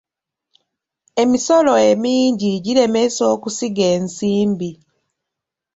Emisolo emingi giremesa okusiga ensimbi.